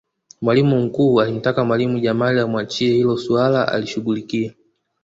mwalimu mkuu alimtaka mwalimu jamal amuachie hilo suala alishughulikie